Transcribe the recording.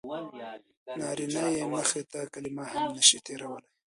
نارینه یې مخې ته کلمه هم نه شي تېرولی.